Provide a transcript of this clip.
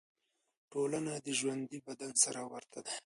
ټولنه د ژوندي بدن سره ورته ده.